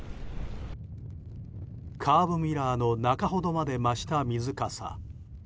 カーブミラーの中ほどまで増した水かさ。